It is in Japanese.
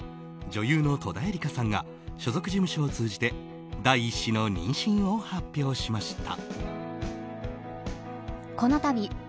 女優の戸田恵梨香さんが所属事務所を通じて第１子の妊娠を発表しました。